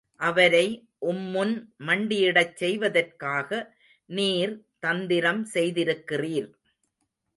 அவரை உம்முன் மண்டியிடச் செய்வதற்காக நீர் தந்திரம் செய்திருக்கிறீர்.